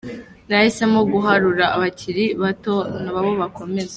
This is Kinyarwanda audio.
Nahisemo guharira abakiri bato nabo bakomeze.